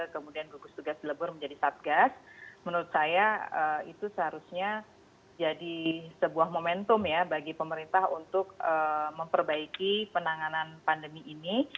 kemudian gugus tugas dilebur menjadi satgas menurut saya itu seharusnya jadi sebuah momentum ya bagi pemerintah untuk memperbaiki penanganan pandemi ini